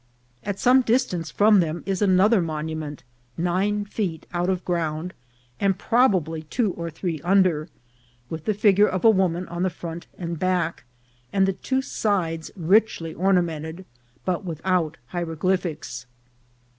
At some distance from them is another monument, nine feet out of ground, and probably two or three un der, with the figure of a woman on the front and back, and the two sides richly ornamented, but without hie roglyphics.